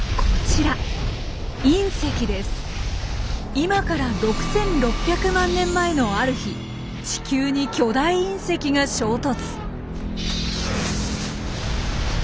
今から６６００万年前のある日地球に巨大隕石が衝突。